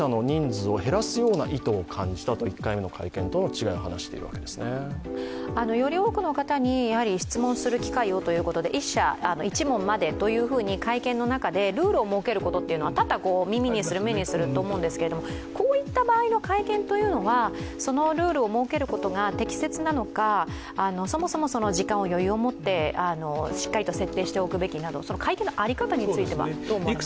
そんたく含めてってことですかジャニーズ事務所に対する。より多くの方に質問する機会をということで１社１問までというルールを設けることは多々耳にする、目にすると思うんですけどこういった場の会見というのはそのルールを設けることが適切なのか、そもそも時間を余裕を持ってしっかりと設定しておくべきか、会見の在り方についてはどう思われますか。